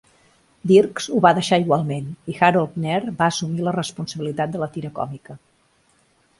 Dirks ho va deixar igualment, i Harold Knerr va assumir la responsabilitat de la tira còmica.